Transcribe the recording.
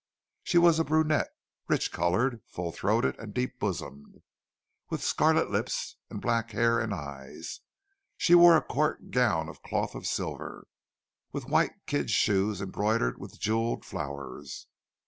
She was a brunette, rich coloured, full throated and deep bosomed, with scarlet lips, and black hair and eyes. She wore a court gown of cloth of silver, with white kid shoes embroidered with jewelled flowers.